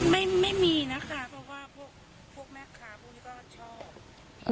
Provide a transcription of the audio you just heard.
ไม่มีนะคะเพราะว่าพวกแม่ค้าพวกนี้ก็ชอบ